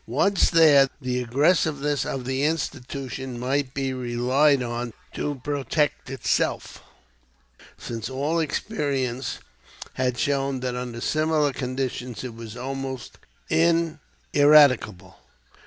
Once there, the aggressiveness of the institution might be relied on to protect itself, since all experience had shown that under similar conditions it was almost ineradicable.